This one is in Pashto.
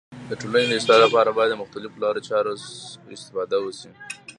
د ټولني د اصلاح لپاره باید د مختلیفو لارو چارو استفاده وسي.